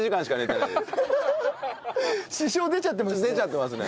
支障出ちゃってますね。